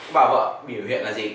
bà vợ biểu hiện là gì